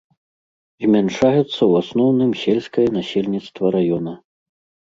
Змяншаецца ў асноўным сельскае насельніцтва раёна.